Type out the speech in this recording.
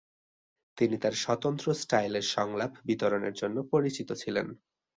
তিনি তার স্বতন্ত্র স্টাইলের সংলাপ বিতরণের জন্য পরিচিত ছিলেন।